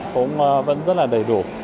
cũng vẫn rất là đầy đủ